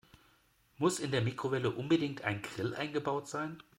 Muss in der Mikrowelle unbedingt ein Grill eingebaut sein?